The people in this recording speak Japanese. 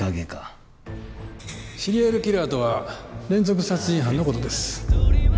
シリアルキラーとは連続殺人犯の事です。